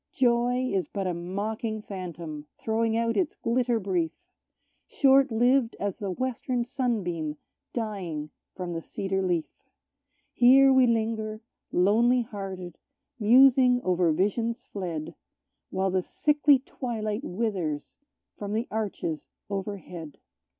Joy is but a mocking phantom, throwing out its glitter brief Short lived as the western sunbeam dying from the cedar leaf. Here we linger, lonely hearted, musing over visions fled, While the sickly twilight withers from the arches overhead.